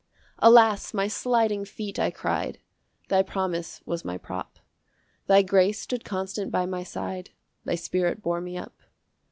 3 "Alas! my sliding feet," I cry'd; Thy promise was my prop; Thy grace stood constant by my side, Thy Spirit bore me up.